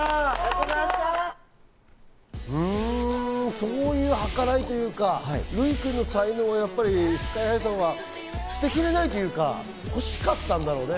そういう計らいというか、ルイ君の才能はやっぱりＳＫＹ−ＨＩさんは捨てきれないというか、欲しかったんだろうね。